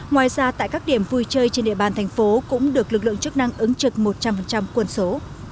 ngoài ra tại các điểm vui chơi trên địa bàn thành phố cũng được lực lượng chức năng ứng trực một trăm linh quân số